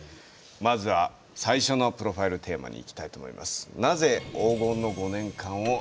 まずは最初のプロファイルテーマにいきたいと思います。